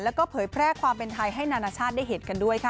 แล้วก็เผยแพร่ความเป็นไทยให้นานาชาติได้เห็นกันด้วยค่ะ